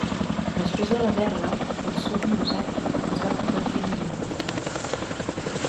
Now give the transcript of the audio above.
Després de la guerra, Hotsumi Ozaki es va convertir en un màrtir.